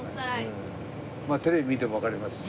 テレビ見てもわかりますし。